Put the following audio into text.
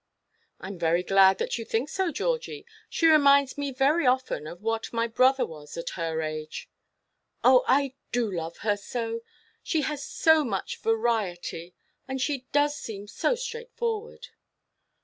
"I am very glad that you think so, Georgie; she reminds me very often of what my brother was at her age." "Oh, I do love her so. She has so much variety, and she does seem so straightforward."